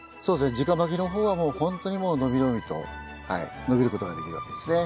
じかまきの方はほんとにもう伸び伸びと伸びることができるわけですね。